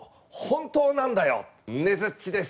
ねづっちです！